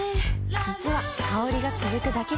実は香りが続くだけじゃない